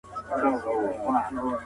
سړي خلګو ته ویله لاس مو خلاص دئ